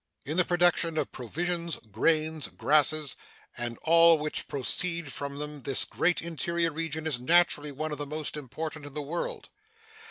In the production of provisions grains, grasses, and all which proceed from them this great interior region is naturally one of the most important in the world.